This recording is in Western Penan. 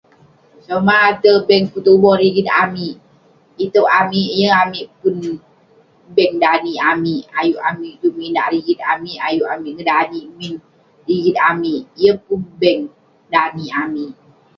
Somah ate bank petuboh rigit amik, itouk amik yeng amik pun bank danik amik..ayuk amik juk minak rigit amik..ayuk amik ngedanik rigit amik..yeng pun bank danik amik..